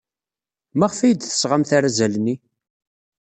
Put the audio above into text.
Maɣef ay d-tesɣamt arazal-nni?